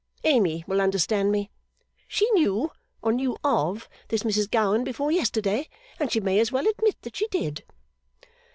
Amy will understand me. She knew, or knew of, this Mrs Gowan before yesterday, and she may as well admit that she did.